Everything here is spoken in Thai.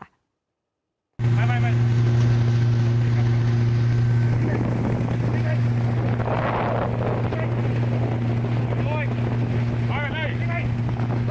อุปกรณ์สม่อแสดงยิ่งแสดงด้วยนะครับ